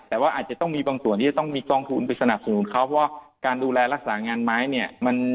แต่ว่าอาจจะต้องมีบางส่วนที่จะต้องมีกองทุนไปสนับสนุนเขาเพราะการดูแลรักษางานไม้เนี่ย